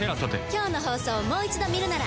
今日の放送をもう一度見るなら。